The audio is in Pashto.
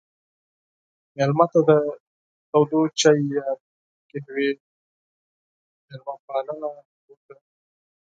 مېلمه ته د ګرم چای یا قهوې میلمهداري وکړه.